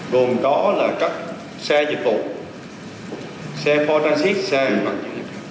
gồm có là các xe dịch vụ xe bốn transit xe vận chuyển hành khách